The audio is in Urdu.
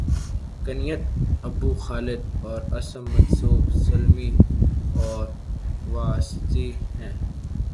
کنیت ابو خالد اور اسم منسوب سلمی اور واسطی ہے